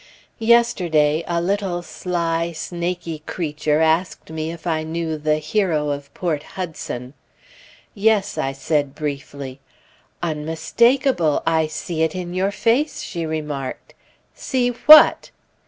Yesterday a little, sly, snaky creature asked me if I knew "the Hero of Port Hudson." "Yes," I said briefly. "Unmistakable! I see it in your face!" she remarked. "See what?"